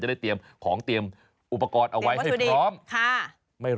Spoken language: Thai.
ได้เตรียมของเตรียมอุปกรณ์เอาไว้ให้พร้อม